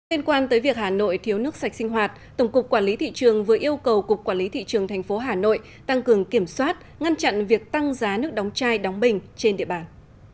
liên quan tới việc hà nội thiếu nước sạch sinh hoạt tổng cục quản lý thị trường vừa yêu cầu cục quản lý thị trường thành phố hà nội tăng cường kiểm soát ngăn chặn việc tăng giá nước đóng chai đóng bình trên địa bàn